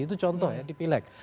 itu contoh ya di pileg